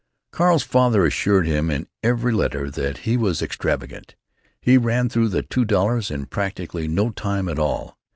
Carl's father assured him in every letter that he was extravagant. He ran through the two dollars in practically no time at all.